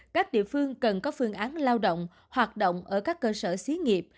các địa phương cần có phương án lao động hoạt động ở các cơ sở xí nghiệp